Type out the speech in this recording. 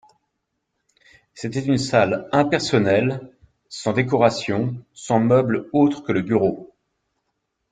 C’était une salle impersonnelle, sans décoration, sans meuble autre que le bureau